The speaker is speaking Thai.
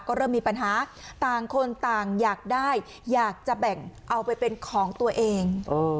ก็เริ่มมีปัญหาต่างคนต่างอยากได้อยากจะแบ่งเอาไปเป็นของตัวเอง